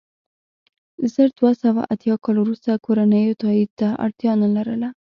له زر دوه سوه اتیا کال وروسته کورنیو تایید ته اړتیا نه لرله.